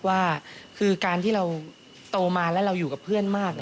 ว่าคือการที่เราโตมาแล้วเราอยู่กับเพื่อนมาก